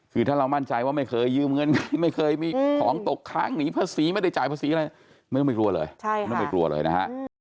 คือถ้าเรามั่นใจว่าไม่เคยยืมเงินใครไม่เคยมีของตกค้างหนีภาษีไม่ได้จ่ายภาษีอะไรไม่ต้องไม่กลัวเลยไม่ต้องไปกลัวเลยนะฮะ